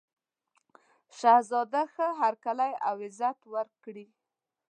شهزاده ښه هرکلی او عزت وکړي.